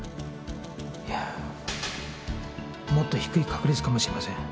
いやもっと低い確率かもしれません。